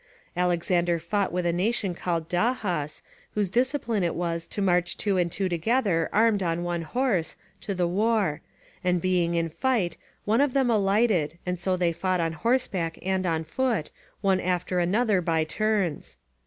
Alexander fought with a nation called Dahas, whose discipline it was to march two and two together armed on one horse, to the war; and being in fight, one of them alighted, and so they fought on horseback and on foot, one after another by turns.